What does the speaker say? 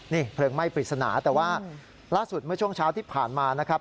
นี่เพลิงไหม้ปริศนาแต่ว่าล่าสุดเมื่อช่วงเช้าที่ผ่านมานะครับ